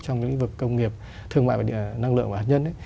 trong lĩnh vực công nghiệp thương mại và năng lượng và hạt nhân